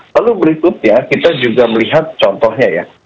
lalu berikutnya kita juga melihat contohnya ya